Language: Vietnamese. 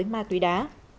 mà tùy đã